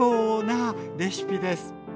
なレシピです！